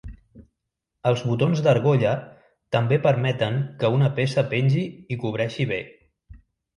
Els botons d'argolla també permeten que una peça pengi i cobreixi bé.